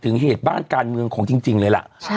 เหตุบ้านการเมืองของจริงเลยล่ะ